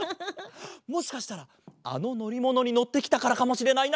もしかしたらあののりものにのってきたからかもしれないな。